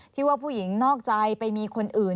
ที่ว่าผู้หญิงนอกใจไปมีคนอื่น